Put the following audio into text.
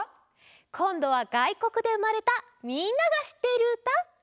こんどはがいこくでうまれたみんながしってるうた。